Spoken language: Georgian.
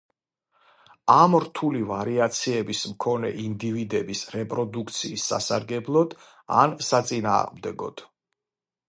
ამ რთული ვარიაციების მქონე ინდივიდების რეპროდუქციის სასარგებლოდ ან საწინააღმდეგოდ.